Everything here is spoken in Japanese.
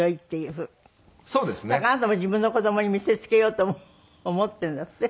だからあなたも自分の子供に見せつけようと思ってるんだって？